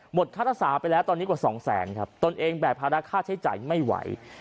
ค่ารักษาไปแล้วตอนนี้กว่าสองแสนครับตนเองแบกภาระค่าใช้จ่ายไม่ไหว